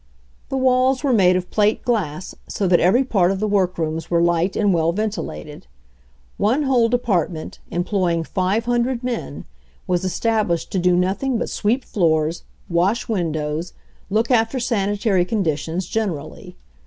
The walls were made of plate glass, so that every part of the workrooms were light and well ventilated. One whole department, employing 500 men, was established to do nothing but sweep floors, wash windows, look after sanitary condi tions generally.